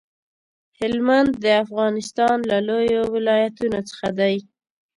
هلمند د افغانستان له لويو ولايتونو څخه دی.